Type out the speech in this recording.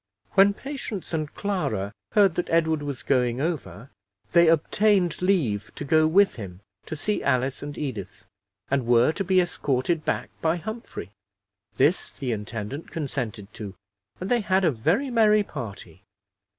When Patience and Clara heard that Edward was going over, they obtained leave to go with him to see Alice and Edith, and were to be escorted back by Humphrey. This the intendant consented to, and they had a very merry party.